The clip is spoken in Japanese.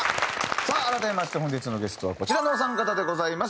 さあ改めまして本日のゲストはこちらのお三方でございます。